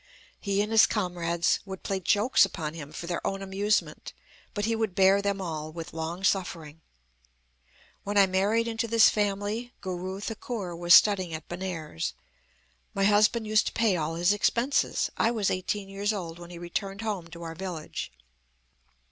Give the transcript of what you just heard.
"He and his comrades would play jokes upon him for their own amusement; but he would bear them all with longsuffering. "When I married into this family, Guru Thakur was studying at Benares. My husband used to pay all his expenses. I was eighteen years old when he returned home to our village.